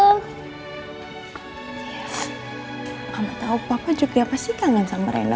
kamu tahu papa juga pasti kangen sama rena